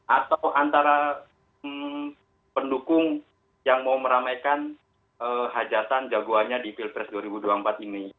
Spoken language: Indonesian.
atau antara pendukung yang mau meramaikan hajatan jagoannya di pilpres dua ribu dua puluh empat ini